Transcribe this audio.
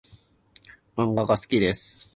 漫画が好きです